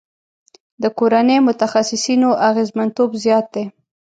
د کورني متخصصینو اغیزمنتوب زیات دی.